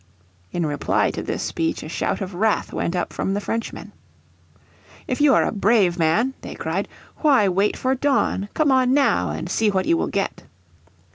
In reply to this speech a shout of wrath went up from the Frenchmen. "If You are a brave man," they cried, "why wait for dawn? Come on now, and see what you will get."